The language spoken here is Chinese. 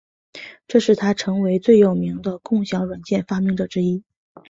这使他成为最有名的共享软件发明者之一。